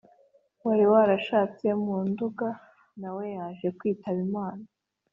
wari warashatse mu nduga na we yaje kwitaba imana